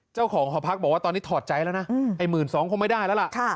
เจ้าของหอพักบอกว่าตอนนี้ถอดใจแล้วนะไอ้๑๒๐๐คงไม่ได้แล้วล่ะ